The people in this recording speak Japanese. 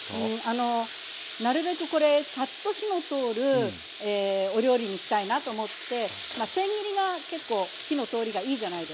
あのなるべくこれサッと火の通るお料理にしたいなと思ってせん切りが結構火の通りがいいじゃないですか。